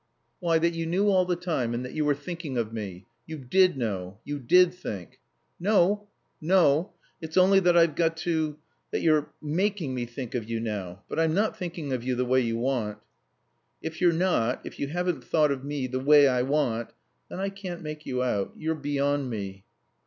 "Why, that you knew all the time and that you were thinking of me. You did know. You did think " "No. No. It's only that I've got to that you're making me think of you now. But I'm not thinking of you the way you want." "If you're not if you haven't thought of me the way I want then I can't make you out. You're beyond me."